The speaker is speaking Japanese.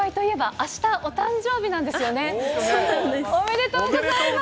ありがとうございます。